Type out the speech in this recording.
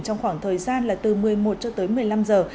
trong khoảng thời gian là từ một mươi một cho tới một mươi năm giờ